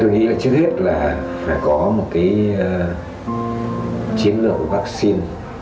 tôi nghĩ là trước hết là phải có một cái chiến lược vaccine